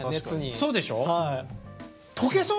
そうでしょう？